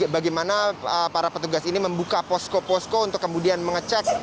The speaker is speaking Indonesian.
bagaimana para petugas ini membuka posko posko untuk kemudian mengecek